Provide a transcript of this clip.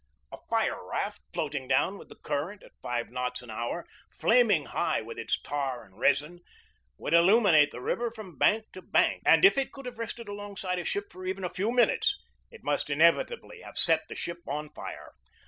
A fire raft floating down with the current at five knots an hour, flaming high with its tar and resin, would illuminate the river from bank to bank; and if it could have rested alongside a ship for even S 8 GEORGE DEWEY a few minutes it must inevitably have set the ship on fire.